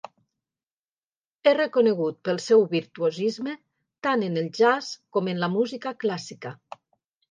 És reconegut pel seu virtuosisme tant en el jazz com en la música clàssica.